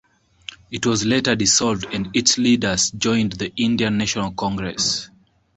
It was later dissolved and its leaders joined the Indian National Congress.